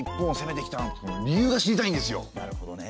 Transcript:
なるほどね。